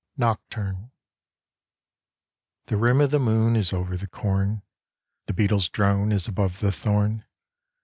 NOCTURNE The rim of the moon Is over the corn. The beetle's drone Is above the thorn.